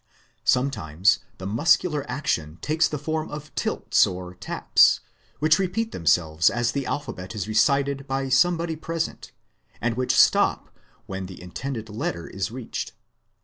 Sometimes the muscular action takes the form of tilts or taps, which repeat themselves as the alphabet is recited by somebody present, and which stop when the intended letter is reached.